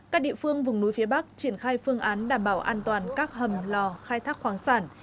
các địa phương vùng núi phía bắc triển khai phương án đảm bảo an toàn các hầm lò khai thác khoáng sản